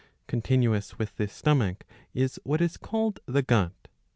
^ Continuous with this stomach is what is called the gut.